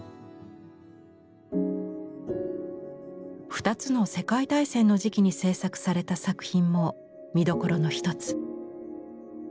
２つの世界大戦の時期に制作された作品も見どころの一つ。